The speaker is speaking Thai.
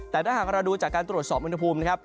แต่ถ้าหากเราดูจากการตรวจสอบอุณหภูมินะครับ